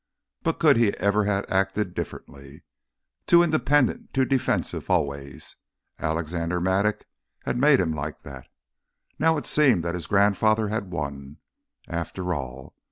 But could he ever have acted differently? Too independent, too defensive always—Alexander Mattock had made him like that. Now it seemed that his grandfather had won, after all.